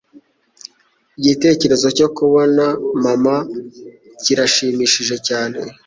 Igitekerezo cyo kubona mama kiranshimishije cyane.